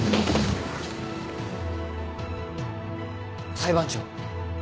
裁判長。